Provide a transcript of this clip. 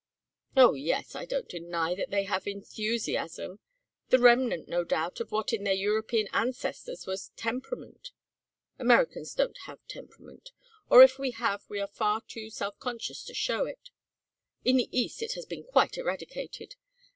"Oh yes, I don't deny that they have enthusiasm the remnant, no doubt, of what in their European ancestors was temperament. Americans don't have temperament. Or if we have we are far too self conscious to show it. In the East it has been quite eradicated.